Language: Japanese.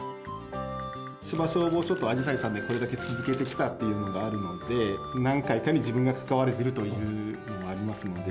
芝消防署とあじさいさんでこれだけ続けてきたというのがあるので、何回かに自分が関われてるというのもありますので。